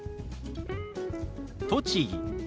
「栃木」。